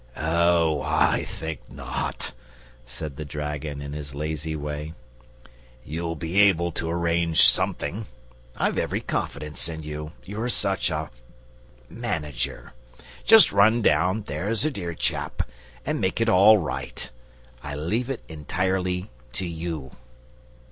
"Oh, I think not," said the dragon in his lazy way. "You'll be able to arrange something. I've every confidence in you, you're such a MANAGER. Just run down, there's a dear chap, and make it all right. I leave it entirely to you."